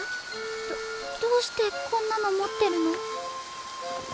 どどうしてこんなの持ってるの？